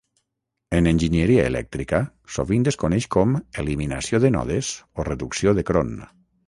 En enginyeria elèctrica sovint es coneix com eliminació de nodes o reducció de Kron.